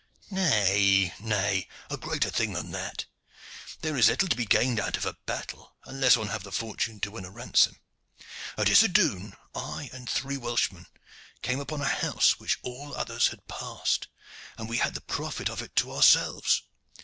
"Nay, nay; a greater thing than that. There is little to be gained out of a battle, unless one have the fortune to win a ransom. At Issodun I and three Welshmen came upon a house which all others had passed, and we had the profit of it to ourselves.